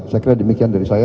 saya kira demikian dari saya